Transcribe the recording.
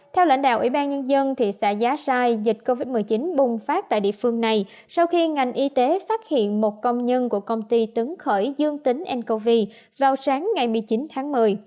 theo lãnh đạo ủy ban nhân dân thị xã giá sai dịch covid một mươi chín bùng phát tại địa phương này sau khi ngành y tế phát hiện một công nhân của công ty tấn khởi dương tính ncov vào sáng ngày một mươi chín tháng một mươi